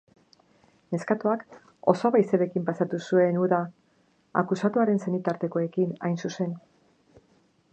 Neskatoak osaba-izebekin pasatu zuen uda, akusatuaren senitartekoekin hain zuzen.